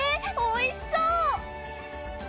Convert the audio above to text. おいしそう！